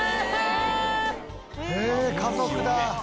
家族だ。